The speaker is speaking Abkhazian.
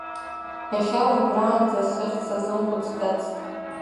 Иахьа уажәраанӡа сыхьӡ сазымхәыцӡацт.